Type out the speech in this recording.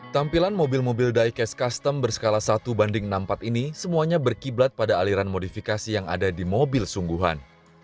tampilan mobil mobil diecast custom berskala satu banding enam puluh empat ini semuanya berkiblat pada aliran modifikasi yang ada di mobil sungguhan